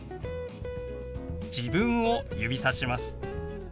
自分を指さします。